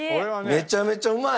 めちゃめちゃうまい！